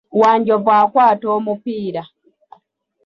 Wanjovu akwata omupiira.